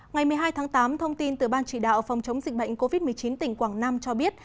ngày một mươi hai tháng tám thông tin từ ban chỉ đạo phòng chống dịch bệnh covid một mươi chín tỉnh quảng nam cho biết